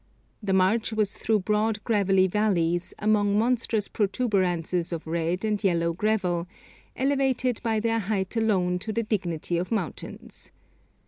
The march was through broad gravelly valleys, among 'monstrous protuberances' of red and yellow gravel, elevated by their height alone to the dignity of mountains.